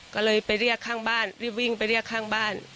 ก็เลยไปเรียกข้างบ้านรีบวิ่งไปเรียกข้างบ้าน